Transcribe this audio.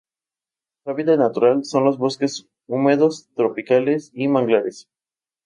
Su hábitat natural son los bosques húmedos tropicales y manglares.